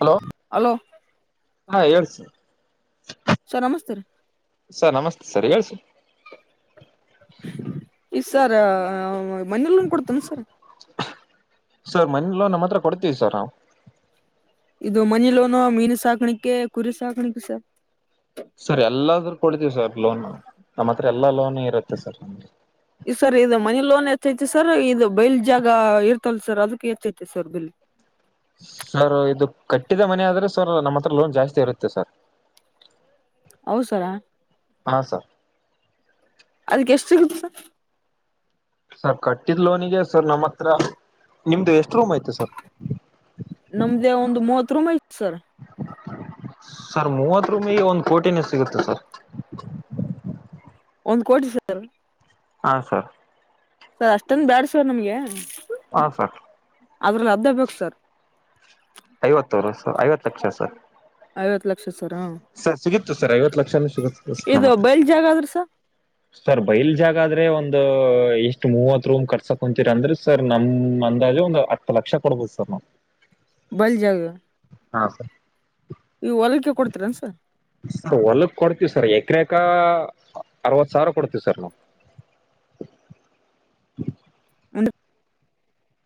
Hello hello ಹಾ ಹೇಳ್ಸ sir ನಮಸ್ತೆ ಸರಿ ಹೇಳ್ಸು ಎಸ್ ಸರ್ ಮನೇಲ್ಲೋನ್ ಕೊಡ್ತೇನೆ ಸರ್ ಸರ್ ಮನೆ ಲೋನ್ ಮಾತ್ರ ಕೊಡ್ತೀವಿ ಸರ್ ನಾವು ಇದು ಮನಿ ಲೋನು ಮೀನು ಸಾಕಾಣಿಕೆ ಕುರಿ ಸಾಕಾಣಿಕೆ ಸರ್ ಸರ್ ಎಲ್ಲಾದ್ರೂ ಕೊಡ್ತಿೀವಿ ಸರ್ ಲೋನ್ ನಮ್ಮ ಹತ್ರ ಎಲ್ಲಾ ಲೋನ್ ಇರುತ್ತೆ ಸರ್ ನಮಗೆ ಈ ಸರ್ ಇದು ಮನಿ ಲೋನ್ ಹೆಚ್ ೈತಿ ಸರ್ ಇದು ಬೈಲ್ ಜಾಗ ಇರ್ತಲ್ ಸರ್ ಅದಕ್ಕೆ ಹೆಚ್ ಐತಿ ಸರ್ ಬಿಲ್ ಸರ್ ಇದು ಕಟ್ಟಿದ ಮನೆ ಆದ್ರೆ ಸರ್ ನಮ್ಮ ಹತ್ರ ಲೋನ್ ಜಾಸ್ತಿ ಇರುತ್ತೆ ಸರ್ ಹ್ಮ್ [unintelligible] ಹೌ ಸರಾ ಹಾ ಸರ್ ಅದಕ್ಕೆ ಎಷ್ಟು ಸಿಗುತ್ತ ಸರ ಸರ್ ಕಟ್ಟಿದ್ ಲೋನಿಗೆ ಸರ್ ನಮ್ಮತ್ರ ನಿಮ್ದು ಎಷ್ಟ ನಮ್ದೇ ಒಂದು್ ಮೂವತ್ ರೂಮ್ ಐತ್ ಸರ್ ಸರ್ ಮೂವತ್ ರೂಮಿಗೆ ಒಂದ್ ಕೋಟಿನೇ ಸಿಗುತ್ತೆ ಸರ್ ಒಂದು್ ಕೋಟಿ [unintelligible] ಸರ್ ಹಾ ಸರ್ ಸರ್ ಅಷ್ಟಂದು ಬ್ಯಾಡ ಸರ್ ನಮ್ಗೆ ಹಾ ಸರ್ ಆದ್ರಲ್ಲಿ ಅರ್ದ ಬೇಕು ಸರ್ ಐವತ್ತೂರು ಸ ಐವತ್ತು ಲಕ್ಷ ಸರ್ ಐವತ್ ಲಕ್ಷ ಸರ್ ಹ ಸರ್ ಸಿಗತ್ತು ಸರ್ ಐವತ್ತು ಲಕ್ಷನ ಸಿಗುತ್ತೆ ನಮ್ ಇದು ಬಯಲ್ ಜಾಗ ಆದ್ರಿ ಸರ್ ಸರ್ ಬಯಲ್ ಜಾಗ ಆದ್ರೆ ಒಂದು ಎಷ್ಟು ಮೂವತ್ತು ರೂಮ್ ಕರ್ಸ ಕುಂತೀರ ಅಂದ್ರೆ ಸರ್ ನಮ್ ಅಂದಾಜೆ ಒಂದು ಹತ್ತು ಲಕ್ಷ ಕೊಡ್ಬೋದು ಸರ್ ಹಫ [unintelligible] ಮ ಜಾಗ [unintelligible] ಹಾ ಸರ್ ಈ ಹೊಲಕ್ಕೆ ಕೊಡ್ತೀರೇನ್ ಸರ್ ಹೊಲಕ್ ಕೊಡ್ತೀವಿ ಸರ್ ಯ ಎಕ್ರೆಕ ಅರವತ್ತು ಸಾವಿರ ಕೊಡ್ತೀವಿ ಸರ್ ನಾವು [inaudible] [unintelligible] ಒಂದು [unintelligible]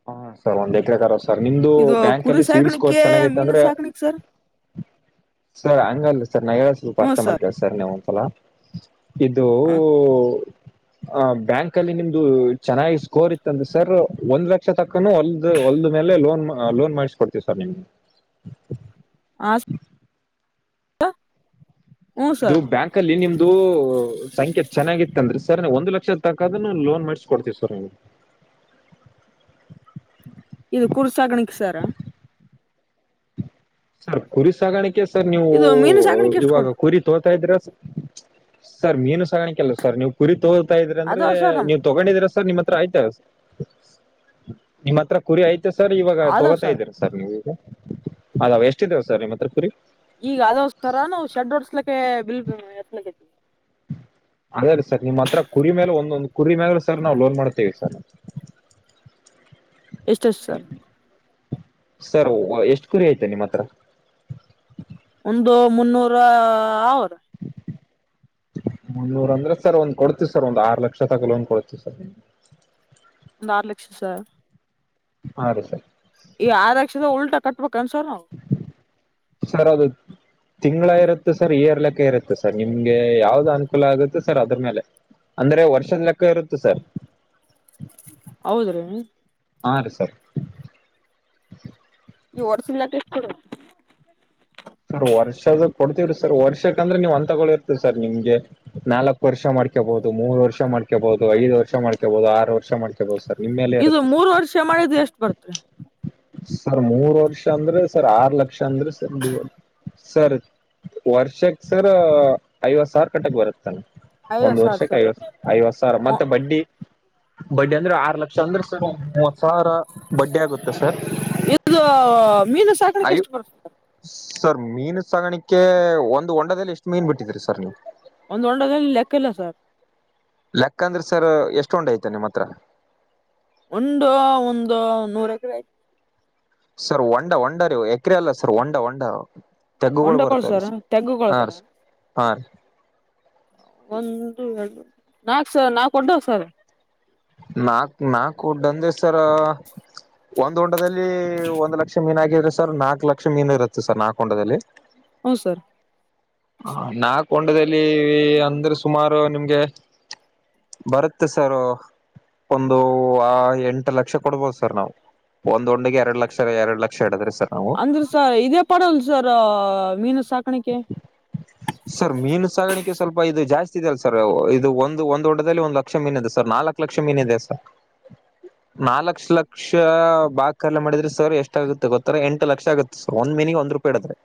ಹಾ ಸರ್ ಒಂದ್ ಎಕರೆೇಕ ಸರ್ ನಿಮ್ದು ಇದು ಬ್ಯಾಂಕ್ ಕುರಿ ಅಲ್ಲಿ ಸಿವಿಲ್ ಸ್ಕೋರ್ ಸಾಕಾಣಿಕೆ ಚೆನ್ನಾಗಿತ್ತು ಮೀನು ಅಂದ್ರೆ ಸಾಕಾಣಿಕೆ ಸರ್ ಸರ್ ಹಂಗಲ್ಲ ಸರ್ ನಾ ಹೇಳ ಸ್ವಲ್ಪ ಅರ್ಥ ಮಾಡ್ಕೋಳಿ ಸರ್ ನೀವು ಅಲ ಇದು ಹಾ ಆ ಬ್ಯಾಂಕ್ ಅಲ್ಲಿ ನಿಮ್ದು ಚೆನ್ನಾಗಿ ಸ್ಕೋರ್ ಇತ್ತ ಅಂದ್ರೆ ಸರ್ ಒಂದ್ ಲಕ್ಷ್ ಲಕ್ಷ ತಕ್ಕನ ಹೊಲ್ದ ಹೊಲ್ದ ಮೇಲೆ ಲೋನ್ ಲೋನ್ ಮಾಡಿಸ್ಕೊಡ್ತೀವಿ ಸರ್ ನಿಮ್ಗೆ ಹ [unintelligible] ಇದು ಬ್ಯಾಂಕ್ ಅಲ್ಲಿ ನಿಮ್ದು ಸಂಖ್ಯ ಚೆನ್ನಾಗಿತ್ತಂದ್ರಿ ಸರ್ ಸರ್ ಒಂದು ಲಕ್ಷದ ತಕ್ಕದ ಲೋನ್ ಮಾಡಸಕೊಡ್ತೀವಿ ಸರ್ ನಿಗೆ ಇದು ಕುರಿ ಸಾಗಣಕೆ ಸಾರ ಸರ್ ಕುರಿ ಸಾಗಾಣಿಕೆ ಸರ್ ನೀವು ಇದು ಮೀನು ಸಾಕಾಣಿಕೆ ಎಷ್ಟು ಇವಾಗ ಕೊಡ್ತೀರಿ ಕುರಿ ತೋತಾ ಇದೀರ ಸರ್ ಮೀನು ಸಾಗಾಣಿಕಲ್ಲ ಸರ್ ನೀವು ಪುರಿ ತೋ ಇದ್ರ ಅಂದ್ರೆ ಅದಾವ ಸರ್ ನಮ್ಗೆ ನೀವು್ ತಗೊಂಡಿದೀರ ಸರ್ ನಿಮ್ಮ ಹತ್ರ ಆಯ್ತಾ ನಿಮ್ಮ ಹತ್ರ ಕುರಿ ಆಯ್ತ ಮ ಸರ್ ಇವಾಗ ತಗೋತಾ ಇದೀರಿ ಸರ್ ನೀವೀಗ ಅದ ಎಷ್ಟ ಇದೇವೆ ಸರ ನಿಮ್ಮತ್ರ ಕುರಿ ಈಗ ಅದಸರ ನಾವು ಶೆಡ್ ಹೊಡ್ಸ್ಲಿಕ್ಕೆ ಬಿಲ್ ಎತ್ತಲಕ್ಕೆತ್ತೀವಿ ಅದೇ ರೀ ಸರ್ ನಿಮ್ಮ್ ಹತ್ರ ಕುರಿ ಮೇಲೆ ಒಂದೊಂದು ಕುರಿ ಮೇಲೆ ಸರ್ ನಾವು ಲೋನ್ ಮಾಡ್ತೇವಿ ಸರ್ [inaudible] [unintelligible] ಎಷ್ಟು ಎಷ್ಟು ಸರ್ ಸರ್ ಎಷ್ಟು ಕುರಿ ಐತೆ ನಿಮ್ಮ ಹತ್ರ ಒಂದು ಮುನ್ನೂರ ಹದ ಮುನ್ನೂರ ಅಂದ್ರೆ ಸರ್ ಒಂದ್ ಕೊಡ್ತೀವಿ ಸರ್ ಒಂದ್ ಆರು ಲಕ್ಷ ತಕ ಲೋನ್ ಕೊಡ್ತೀವಿ ಸರ್ ಒಂದು ಆರು ಲಕ್ಷ ಸರ್ ಹಾ ರೀ ಸರ್ ಈ ಆದಕ್ಷದ ಉಲ್ಟಾ ಕಟ್ಬೇಕ ಸರ್ದು ತಿಂಗಳ ಇರ ಇತ್ತು ಸರ್ ಈರ್ ಲೆಕ್ಕ ಇರುತ್ತೆ ಸರ್ ನಿಮ್ಗೆ ಯಾವ್ದ್ ಅನುಕೂಲ ಆಗುತ್ತೆ ಸರ್ ಅದ್ರ ಮೇಲೆ ಅಂದ್ರೆ ವರ್ಷದ ಲೆಕ್ಕ ಇರುತ್ತ ಸರ್ ಹೌದ್ರೀ ಹಾ ರೀ ಸರ್ ಈ ವರ್ಸಿಲ್ಲ ಸ್ಟ್ ಕೊು ಸರ್ ವರ್ಷದ ಕೊಡ್ತಿವ್ರಿ ಸರ್ ವರ್ಷಕ ಅಂದ್ರೆ ನೀವ್ ಅಂತ ತಗಿರ್ತಿರಿ ಸರ್ ನಿಮ್ಗೆ ನಾಲ್ಕಕ್ ವರ್ಷ ಮಾಡ್ಕಬಹುದು ಮೂರ್ ವರ್ಷ ಮಾಡ್ಕೊಬಹುದು ಐದು ವರ್ಷ ಮಾಡ್ಕೊಬಹುದು ಆರು ವರ್ಷ ಮಾಡ್ಕೊಬಹುದು ಸರ್ ನಿಮ್ಮೇಲೆ ಇದು ಇರುತ್ತೆರ್ ಮೂರು ವರ್ಷ ಮಾಡಿದ್ದು ಎಷ್ಟು ಬರ್ತರಿ ಸರ್ ಮೂರ್ ವರ್ಷ ಅಂದ್ರೆ ಸರ್ ಆರ್ ಲಕ್ಷ ಅಂದ್ರೆ ಸರ್ ಡಿವೈಡ್ ಸರ್ ವರ್ಷಕ್ ಸರ್ ಐವತ್ ಸಾವಿರ ಕಟ್ಟಕ್ ಬರುತ್ತ ತಾನ ಒಂದ್ ಐವತ್ತು ಸಾವಿರ ವರ್ಷಕ್ಕೆ ಸರ್ ಐವ ಐವತ್ ಸಾವಿರ ಮತ್ತೆ ಬಡ್ಡಿ ಬಡ್ಡಿ ಅಂದ್ರೆ ಆರು ಲಕ್ಷ ಅಂದ್ರೆ ಮ್ ಸಾರ ಬಡ್ಡ ಆಗುತ್ತೆ ಸರ್ ಇದು ಮೀನು ಸಾಕಡಕ್ಕೆ ಅಯ್ಯೋ ಎಷ್ಟು ಬರ್ತಾರೆ ಸರ್ ಮೀನು ಸಗಾಣಿಕೆ ಒಂದು ಒೊಂಡದಲ್ಲಿ ಎಷ್ಟು ಮೀನ್ ಬಿಟ್ಟಿದ್ರರಿ ಸರ್ ನೀವು ಒಂದ್ ಒೊಂಡದಲ್ಲಿ ಲೆಕ್ಕ ಇಲ್ಲ ಸರ್ ಲೆಕ್ಕ ಅಂದ್ರೆ ಸರ್ ಎಷ್ಟೊಂಡ ಐತೆ ನಿಮ್ಮ ಹತ್ರ ಒಂದು ಒಂದು ನೂರ ಎಕರೆ ಆಯ್ತು ಸರ್ ಒಂಡಾ ಹಂಡ ರವು ಎಕ್ರೆ ಅಲ್ಲ ಸರ್ ಒೊಂಡಾ ಹಂಡ ಹೊಂಡ ಕೊಳ್ಸರ ತೆಗ್ಗ ಕೊಳ್ಸರ ಹಾ ರೀ ಒಂದ ನಾಕ್ ಸ ನಾ ಕೊಡವ್ ಸರ್ ನಾಕ್ ನಾಕು ಒಡ್ಡ ಅಂದೆ ಸರ್ ಒಂದ್ ಹೊಂಡದಲ್ಲಿ ಒಂದ್ ಲಕ್ಷ ಮೀನ್ಗಿದ್ರೆ ಸರ್ ನಾಕ್ ಲಕ್ಷ ಮೀನು ಇರುತ್ತೆ ಸರ್ ನಾಕು ಉಂಡದಲ್ಲಿ ಹೌ ಸರ್ ಹ ನಾಕೊಂಡದಲ್ಲಿ ಅಂದ್ರೆ ಸುಮಾರು ನಿಮ್ಗೆ ಬರುತ್ತೆ ಸರ್ ಒಂದು ಆ ಎಂಟು ಲಕ್ಷ ಕೊಡ್ಬೋದು ಸರ್ ನಾವು ಒಂದ ಒಂದಿ ಎರಡ್ ಲಕ್ಷ ಎರಡ್ ಲಕ್ಷ ಇಡದ್ರಿ ಅಂದ್ರ ಸರ್ ಇದೇ ಪಡಲ್ ಸರ್ ಮೀನ ಸರ್ ಮೀನು ಸಾಗಾಣಿಕೆ ಸ್ವಲ್ಪ ಇದು ಜಾಸ್ತಿ ಲ್ಲ ಸರ್ ಇದು ಒಂದು ಒಂದು ಡದಲ್ಲಿ ಒಂದು್ ಲಕ್ಷ ಮೀನ್ ಇದೆ ಸರ್ ನಾಲ್ಕು ಲಕ್ಷ ಮೀನ್ ಇಿದೆ ಸರ್ ನಾಲ್ಕ್ಷ ಲಕ್ಷ ಬಾಕ್ ಕರ್ಲೆ ಮಾಡಿದ್ರೆ ಸರ್ ಎಷ್ಟಾಗಗುತ್ತೆ ಗೊತ್ತಾರೆ ಎಂಟು ಲಕ್ಷ ಆಗುತ್ತೆ ಸರ್ ಒಂದ್ ಮಿನಿ ಒಂದು ರೂಪಾಯಿ ಹಡದ್ರೆ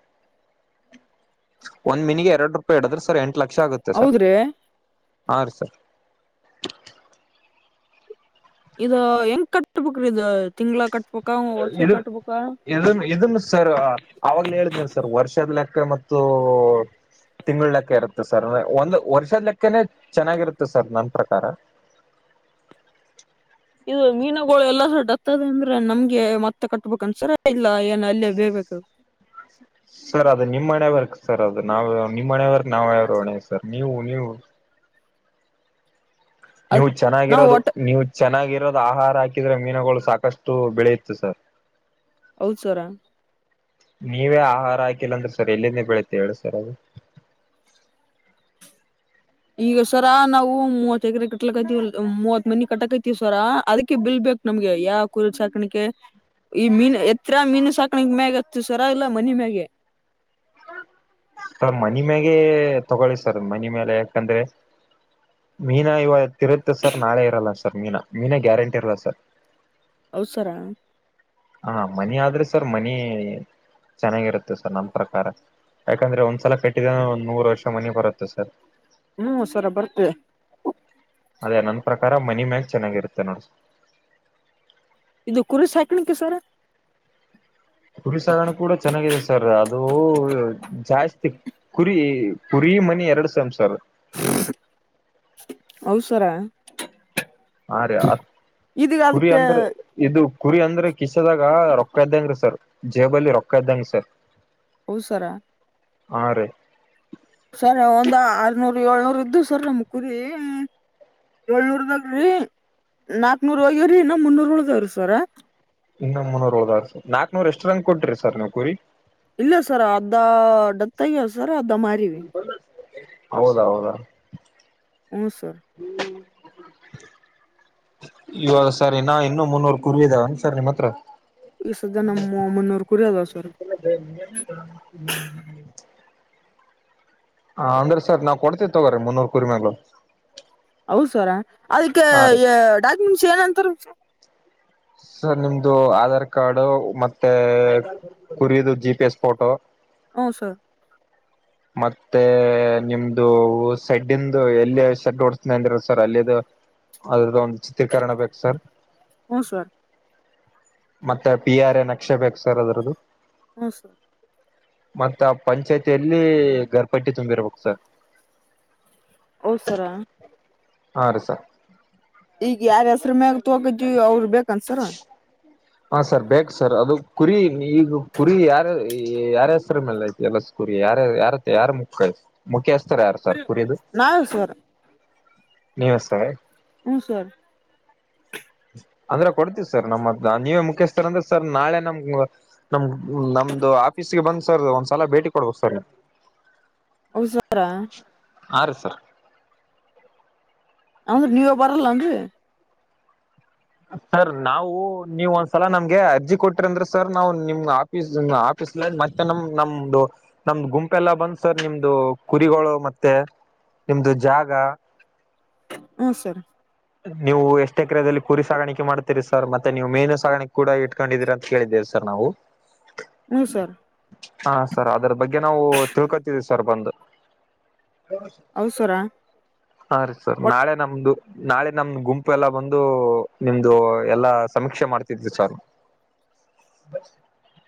ಒಂದ್ ಮಿನಿಗೆ ಎರಡು ರೂಪಾಯಿ ಹಡದ್ರೆ ಸರ್ ಎಂಟ ಲಕ್ಷ ಆಗುತ್ತೆ ಸರ್ ಹೌದ್ರಿ ಹಾ ರೀ ಸರ್ ಇ ಹೆಂಗ ಕಟ್ಬೇಕ್ರ ಇದು ತಿಂಗಗಳಳ ಕಟ್ಬೇಕ ವರ್ಷ ಇದ ಕಟ್ಬೇಕ ಇದನ್ ಇದನ್ ಸರ್ ಅವಾಗ್ಲ ಹೇಳಿದನ್ ಸರ್ ವರ್ಷದ್ಲೆ ಮತ್ತು ತಿಂಳ ಲೆಕ್ಕ ಇರುತ್ತೆ ಸರ್ಂದ ಒಂದ್ ವರ್ಷದ ಲೆಕ್ಕನೆ ಚೆನ್ನಾಗಿರುತ್ತೆ ಸರ್ ನನ್ ಪ್ರಕಾರ [inaudible] ಇದು ಮೀನುಗಳು ಎಲ್ಲ ಸಡತ್ತದ ಅಂದ್ರೆ ನಮ್ಗೆ ಮತ್ತೆ ಕಟ್ಬೇಕಕ್ ಅನ್ಸರಿ ಇಲ್ಲ ಏನು ಅಲ್ಲೇ ಬೇ [inaudible] ಸರ್ ಅದು ನಿಮ್ಮ್ ಮನೆೇವರ್ಕ್ ಸರ್ ಅದು ನಾವ ನಿಮ್ಮನೆವರ್ಕ್ ನಾವೇರಣೆ ಸರ್ ನೀವು ನೀವು ಹೌ ಅದ್ ನೀವು ನಾವ್ ಚೆನ್ನಾಗಿರೋದು ಒಟ್ಟ ನೀವು ಚೆನ್ನಾಗಿರ ಆಹಾರ ಹಾಕಿದ್ರೆ ಮೀನುಗಳು ಸಾಕಷ್ಟು ಬೆಳೆಯುತ್ತೆ ಸರ್ ಹೌದ್ ಸರಾ ನೀವೇ ಆಹಾರ ಹಾಕಿಲ್ಲ ಅಂದ್ರೆ ಸರ್ ಎಲ್ಲಿಂದೇ ಬೆಳುತ್ತೆ ಹೇಳು ಸರ್ ಅದು [inaudible] ಈಗ ಸರ ನಾವು ಮೂವತ್ ಎಕರೆ ಕಟ್ಲಕತಿವಿ ಮೂವತ್ ಮನಿ ಕಟ್ಟಕತಿವಿ ಸರ ಅದಕ್ಕೆ ಬಿಲ್ ಬೆ ಕು ನಮ್ಗೆ ಯಾವ್ ಕುರಿ ಸಾಕಾನಿಕೆ ಈ ಮೀನು ಎತ್ರ ಮೀನು ಸಾಕಣಕ್ ಮ್ಯಾಗ ಹತ್ತು ಸರ ಇಲ್ಲ ಮನೆ ಮ್ಯಾಗೆ ಸರ್ ಮನ ಮ್ಯಾಗೆ ತಗೊಳ್ಳಿ ಸರ್ ಮನೆ ಮೇಲೆ ಯಾಕಂದ್ರೆ ಮೀನಾ ಇವಾಗ ತಿರುತ್ತೆ ಸರ್ ನಾಳೆ ಇರಲ್ಲ ಸರ್ ಮೀನಾ ಮೀನಾ ಗ್ಯಾರಂಟಿ ಇರಲ್ಲ ಸರ್ ಹೌದ್ ಸರಾ ಹಾ ಮನಿ ಆದ್ರೆ ಸರ್ ಮನಿ ಚೆನ್ನಾಗಿರುತ್ತೆ ಸರ್ ನಮ್ಮ ಪ್ರಕಾರ ಯಾಕಂದ್ರೆ ಒಂದ್ಸಲ ಕಟ್ಟಿದ ಒಂದ್ ನೂರು ವರ್ಷ ಮನೆ ಬರುತ್ತೆ ಸರ್ ಹ್ಮ್ ಸರ ಬರ್ತೆ ಅದೇ ನನ್ ಪ್ರಕಾರ ಮನಿ ಮ್ಯಾಚ್ ಚೆನ್ನಾಗಿರುತ್ತೆ ನೋಡಿ ಇದು ಕುರಿ ಸಾಕನಿಕೆ ಸರ ಕುರಿ ಸಾಗರಣ ಕೂಡ ಚೆನ್ನಾಗಿದೆ ಸರ್ ಅದು ಜಾಸ್ತಿ ಕುರಿ ಕುರಿ ಬಿ ಮನಿ ಎರಡು ಸಂಸಾರ [unintelligible] ಹೌದ್ ಸರ ಹ ರೀ ಅ ಇದೀಗ ಕುರಿ ಅದಕ್ಕೆ ಅಂದ್ರೆ ಇದು ಕುರಿ ಅಂದ್ರೆ ಕಿಸದಾಗ ರೊಕ್ಕ ಇದ್ದಂಗ್ರೀ ಸರ್ ಜೇಬಲಿ ರೊಕ್ಕ ಇದ್ದಂಗ ಸರ್ ಹೌದು ಸರಾ ಹಾ ರೀ ಸರ್ ಒಂದ ಆರ್ನೂರ್ ಏಳ್ನೂರ್ ಇದ್ದು ಸರ್ ನಂಬುವು ಕುರಿ ಏಳ್ನೂದಗ ರಿ ನಾಕ್ನೂರ್ ಹೋಗ್ಯವ್ರಿ ಇನ್ನು ಮುನ್ನೂರ ಉಳದಾವ್ರಿ ಸರ ಇನ್ನು ಮುನ್ನೂರು ಹೋದ ಸರ್ ನಾಕ್ ನೂರ್ ಎಸ್ಟ್ರಾಂಗ್ ಕೊಟ್ರಿ ಸರ್ ನೀವ್ ಕುರಿ ಇಲ್ಲ ಸರ್ ಅರ್ಧ ಡೆತ್ ಆಗ್ಯವ್ ಸರ ಅರ್ಧ ಮಾರಿವಿ ಹೌದ ಹೌದಾ ಹ್ಞೂ ಸರ್ ಹ್ಮ್ ಇವಾಗ ಸರ್ ಇನ್ನುೂ ಮುನ್ನೂರ್ ಕುರಿ ಇದಾವೆನ್ ಸರ್ ನಿಮ್ಮ್ ಹತ್ರ ಈ ಸದ್ಯ ನಮ್ ಮುನ್ನೂರ್ ಕುರಿ ಅದಾವ ಸರ್ [unintelligible] ಹ ಅಂದ್ರೆ ಸರ್ ನಾವ್ ಕೊಡ್ತಿವಿ ತಗೋರಿ ಮುನ್ನೂರ್ ಕುರಿಮೇಲಗು ಹೌದ್ ಸರ ಅದಕ್ಕೆ ಡಾಕ್ಯುಮೆಂಟ್ಸ್ ಏನಂತಾರ ಸರ್ ಸರ್ ನಿಮ್ದು ಆಧಾರ್ ಕಾರ್ಡ್ ಮತ್ತೆ ಕುರದು ಜಿ ಪಿ ಎಸ್ ಫೋಟೋ ಹು ಸರ್ ಮತ್ತೆ ನಿಮ್ದು ಸೆಡ್ಡಿಂದು ಎಲ್ಲಿ ಸೆಡ್ ಓಡಿಸ್ತಿನಿ ಅಂದಿ ಸರ್ ಅಲ್ಲಿದು ಅದ್ರದ್ದ ಒಂದು ಚಿತ್ರೀಕರಣ ಬೇಕು ಸರ್ ಹ್ಞೂ ಸರ್ ಮತ್ತೆ ಪಿ ಆರ್ ಎ ನಕ್ಷೆ ಬೇಕು ಸರ್ ಅದ್ರದ್ದು ಹ ಸರ್ ಮತ್ತ ಆ ಪಂಚಾಯ್ತಿಯಲ್ಲಿ ಗರ್ಪಟ್ಟಿ ತುಂಬಿರ್ಬೇಕು ಸರ್ ಹೌದ್ ಸರ ಹಾ ರೀ ಸರ್ [unintelligible] ಹೋಗಿದ್ವಿ ಅವ್ರು ಬೇಕೇನ್ರಿ ಸರ ಹ ಸರ್ ಬೇಕು ಸರ್ ಅದು ಕುರಿ ಈಗ ಕುರಿ ಯಾರ ಯಾರ ಹೆಸ್ರ ಮೇಲೆ ಐತಿ ಎಲ್ಲ ಕುುರಿ ಯಾರ ಯಾರತ್ತ ಯಾರು ಮುಖ್ಯ ಮುಖ್ಯಸ್ ಸ ಯಾರು ಸರ್ ಕುರದು ನಾವೇ ಸರ್ ನೀವ ಸರ ಹ್ಞೂ ಸರ್ ಅಂದ್ರ ಕೊಡ್ತೀವಿ ಸರ್ ನಮ್ಮ ನೀವೇ ಮುಖ್ಯಸ್ಥರ ಅಂದ್ರೆ ಸರ್ ನಾಳೆ ನಮ್ ನಮ್ ನಮ್ದು ಆಫೀಸ್ಗೆ ಬಂದ್ ಸರ್ ಒಂದ್ಸಲ ಬೇ ಟಿ ಕೊಡ್ಬೇಕ್ ಸರ್ ಹೌದ್ ಸರ ಆ ರಿ ಸರ್ ಅಂದ್ರ ನೀವೇ ಬರಲ್ಲ ಏನ್ರೀ ಸರ್ ನಾವು ನೀವವು ಒಂದ್ಸಲ ನಮ್ಗೆ ಅರ್ಜಿ ಕೊಟಿರಿ ಅಂದ್ರೆ ಸರ್ ನಾವು ನಿಮ್ ಆಫೀಸ್ ಆ ಮತ್ತೆ ನಮ ನಮ್ದು ನಮ್ದು ಗುಂಪೆಲ್ಲ ಬಂದ್ ಸರ್ ನಿಮ್ದು ಕುರಿಗಳು ಮತ್ತೆ. ನಿಮ್ದು ಜಾಗ ಹಾ- ಸರ್ ನೀವು ಎಷ್ಟೇ ಕ್ರದಲ್ಲಿ ಕುರಿ ಸಾಗಾಣಿಕೆ ಮಾಡ್ತೀರಿ ಸರ್ ಮತ್ತೆ ನೀವು ಮೇನು ಸಾಗಾಣಿಕೆ ಕೂಡ ಇಟ್ಕೊಂಡಿದೀರಿ ಅಂತ ಕೇಳಿದ್ದೇವೆ ಸರ್ ನಾವು. ಹ್ಮ್ ಸರ್ ಹಾ -ಸರ್ ಅದರ ಬಗ್ಗೆ ನಾವು ತಿಳ್ಕೊತಿದ್ದೀವಿ. ಸರ್ಬಂದ್ ಅವಸರ ಹಾ- ರೀ -ಸರ್ ನಾಳೆ ನಮ್ದು ನಾಳೆ ನಮ್ದು ಗುಂಪು ಎಲ್ಲ ಬಂದು. ನಿಮ್ದು ಎಲ್ಲಾ ಸಮೀಕ್ಷೆ ಮಾಡ್ತಿದ್ರು ಸಾರ್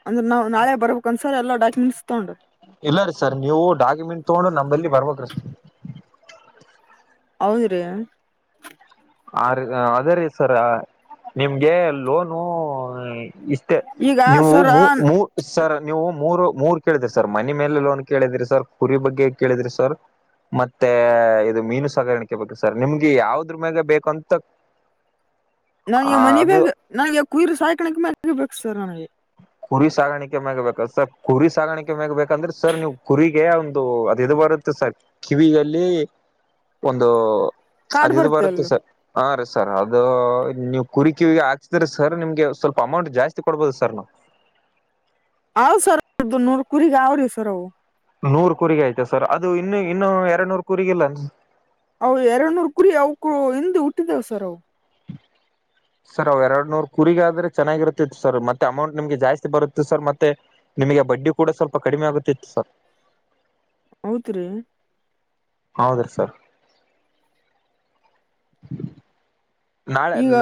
ಅಂದ್ರೆ ನಾ ನಾಳೆ ಬರ್ಬೇಕಕ್ಂದಸರ್ ಎಲ್ಲ ಡಾಕ್ಯುಮೆಂಟ್ಸ್ ತಗೊಂಡು. ಇಲ್ಲ ರೀ ಸರ್ ನೀವು ಡಾಕ್ಯುಮೆಂಟ್ ತಗೊಂಡು ನಮಲ್ಲಿ ಬರ್ಬೇಕ್ರೀ ಸ. ಹೌದ್ರಿ ಆ -ರೀ -ಅದೇ ರೀ ಸರ್ ನಿಮ್ಗೆ ಲೋನು ಇಷ್ಟ ಈಗ ನೀವು ಸರ ಮೂ ಮೂ ಸರ್ ನೀವು ಮೂರು ಮೂರ್ ಕೇಳಿದ್ರಿ ಸರ್ ಮನೆ ಮೇಲೆ ಲೋನ್ ಕೇಳಿದ್ರಿ ಸರ್ ಕುರಿ ಬಗ್ಗೆ ಕೇಳಿದ್ರಿ ಸರ್. ಮತ್ತೆ ಇದು ಮೀನು ಸಗಾಣಿಕೆ ಬೇಕು ಸರ್ ನಿಮ್ಗೆ ಯಾವದ್ರ ಮ್ಯಾಗ ಬೇಕಂತ. ಆ ನನಗೆ ಮನೆ ಅದು ಬೇಗ ನನ್ಗೆವ ಕುಯಿರ್ ಸಾಯಕಣಕ್ಕೆ ಮನೆಗೆ ಬೇಕು ಸರ್ ನನಗೆ. ಕುರಿ ಸಾಗಾಣಿಕೆ ಮ್ಯಾಗ ಬೇಕ ಸರ್ ಕುರಿ ಸಾಗಾಣಿಕೆ ಮ್ಯಾಗ ಬೇಕಂದ್ರೆ ಸರ್ ನೀವು ಕುರಿಗೆ ಒಂದು ಅದ ಇದು ಬರುದು. ಸರ್ ಕಿವಿಯಲ್ಲಿ ಒಂದು ಕಾಡ್ ಅದು ಇದು ಅಲ್ ಬರುತ್ತೆ ಸರ್ ಆ ರ ಸರ್ ಅದು ನೀವು ಕುರಿ ಕಿವಿಗೆ ಹಾಕ್ಸಿದ್ರೆ ಸರ್ ನಿಮ್ಗೆ ಸ್ವಲ್ಪ ಅಮೌಂಟ್ ಜಾಸ್ತಿ ಕೊಡ್ಬೋದು ಸರ್ ನಾವು ಹ್ -ಸರ್ದು ನೂರ್ ಕುರಿಗ ಅವ್ರ ಸರ್ ಅವು. ನೂರ್ ಕುರಿಗ ಆಯ್ತಾ ಸರ್ ಅದು ಇನ್ನು ಇನ್ನು ಎರಡ್ ನೂರು ಕುರಿಗ ಇಿಲ್ಲ ಅವು ಎರಡು ನೂರ್ ಕುರಿ ಅವಕ ಹಿಂದ ಹುಟ್ಟಿದೇವು ಸರ್ ಅವು [inaudible] ಸರ್ ಅವ ಎರಡ್ ನೂರ್ ಕುರಿಗ ಆದ್ರೆ ಚೆನ್ನಾಗಿರುತ್ತತಿತ್ತು ಸರ್ ಮತ್ತೆ ಅಮೌಂಟ್ ನಿಮ್ಗೆ ಜಾಸ್ತಿ ಬರುತ್ತತ್ತು ಸರ್ ಮತ್ತೆ. ನಿಮಗೆ ಬಡ್ಡಿ ಕೂಡ ಸ್ವಲ್ಪ ಕಡಿಮೆ ಆಗುತ್ತಿತ್ತು ಸರ್ ಹೌತ್- ರೀ ಹೌದ್ರೀ ಸರ್ ನಾಳೆ ಈಗ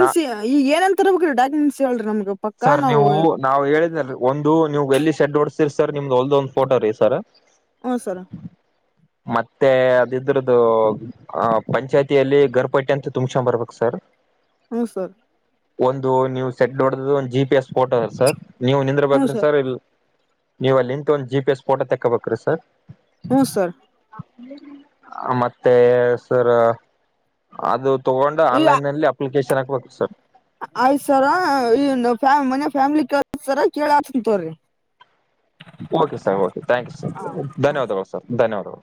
ನಾ ಈ ಏನಂತ ತರಬೇಕುರ ಡಾಕುಮೆಂಟ್ಸ್ ಹೇಳಿ ನನಗೆ ಸರ್ ನೀವು ನಾವ್ ಹೇಳಿದ ಒಂದು ನೀವು್ ಎಲ್ಲಿ ಶೆಡ್ ಓಡ್ಸ್ತೀರಿ ಸರ್ ನಿಮ್ದ ಒಲ್ದ ಒಂದ್ ಫೋಟೋ ರೀ ಸರ್. ಹ- ಸರ ಮತ್ತೆ ಅದ ಇದ್ರದದುು ಪಂಚಾಯ್ತಿಯಲ್ಲಿ ಗರ್ಪಟ್ಟಿ ಅಂತ ತುಂಬಸ ಬರ್ಬೇಕ ಸರ್. ಹ್ಮ್ -ಸರ್ ಒಂದು ನೀವು ಸೆಟ್ ನೋಡ್ದ ಒಂದ ಜಿ ಪಿ ಎಸ್ ಫೋಟೋ ಅ ಸರ್ ನೀವು ನಿಂದ್ರ ಬಕ್ರಿ ಸರ್ ಇಲ್ಲಿ ನೀವು ಅಲ್ಲಿಂತ್ ಒಂದು ಜಿ ಪಿ ಎಸ್ ಫೋಟೋ ತಕೋಬೇಕು -ರೀ -ಸರ್ ಹ್ಞ -ಸರ್ ಮತ್ತೆ ಸರ್ ಅದು ತೊಗೊಂಡು ಆನ್ಲೈನ್ಲ್ಲಿ ಅಪ್ಲಿಕೇಶನ್ ಹಾಕ್ಬೇಕು ಸರ್. ಆಯ್ಸರ ಈ [unintelligible] ಾಮ ಮನ ಫ್ಯಾಮಿಲಿ ಕೇಳಸರ ಕೇಳಸಂತವ್ರಿ okay sir K thank sir ಹಾ ಹಾ ಧನ್ಯವಾದಗಳು ಸರ್ ಧನ್ಯವಾದಗಳು